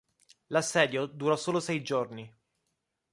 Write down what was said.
L'assedio durò solo sei giorni.